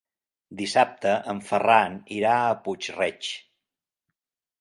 Dissabte en Ferran irà a Puig-reig.